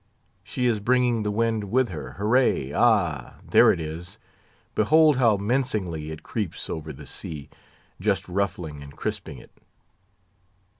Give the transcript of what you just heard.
She is bringing the wind with her. Hurrah! Ay, there it is! Behold how mincingly it creeps over the sea, just ruffling and crisping it.